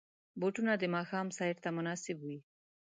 بوټونه د ماښام سیر ته مناسب وي.